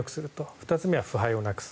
２つ目は腐敗をなくす。